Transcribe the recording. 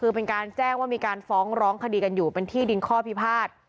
คือเป็นการแจ้งว่ามีการฟ้องร้องคดีกันอยู่เป็นที่ดินข้อพิพาท